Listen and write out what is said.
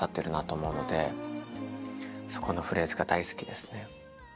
そこのフレーズが大好きですね。